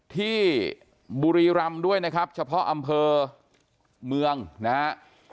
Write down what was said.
ที่บุรีรำด้วยนะครับเฉพาะอำเภอเมืองนะฮะ